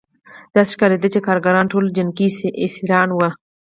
داسې ښکارېده چې کارګران ټول جنګي اسیران وو